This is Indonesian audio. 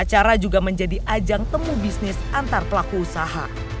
acara juga menjadi ajang temu bisnis antar pelaku usaha